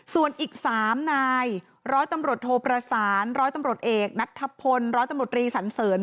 ส่วนอีก๓นายร้อยตำรวจโทประสานร้อยตำรวจเอกนัทธพลร้อยตำรวจรีสันเสริญ